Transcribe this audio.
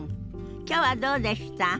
きょうはどうでした？